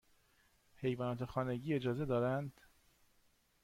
حیوانات خانگی اجازه دارند؟